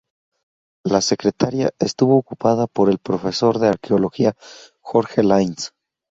La secretaría estuvo ocupada por el profesor de Arqueología, Jorge Lines.